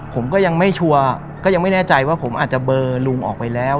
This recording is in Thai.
ผมก็ยังไม่ชัวร์ก็ยังไม่แน่ใจว่าผมอาจจะเบอร์ลุงออกไปแล้ว